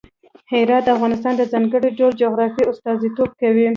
هرات د افغانستان د ځانګړي ډول جغرافیه استازیتوب کوي.